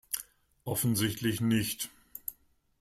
Offensichtlich nicht.